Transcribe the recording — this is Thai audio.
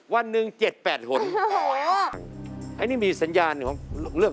มึงก็มีสัญญาณเกิดขึ้น